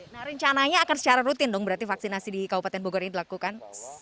nah rencananya akan secara rutin dong berarti vaksinasi di kabupaten bogor ini dilakukan